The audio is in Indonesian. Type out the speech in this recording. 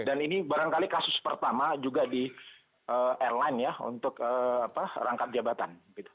dan ini barangkali kasus pertama juga di airline ya untuk rangkap jabatan